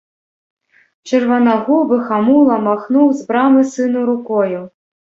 Чырванагубы хамула махнуў з брамы сыну рукою.